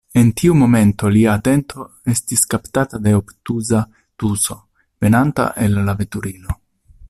En tiu momento lia atento estis kaptata de obtuza tuso, venanta el la veturilo.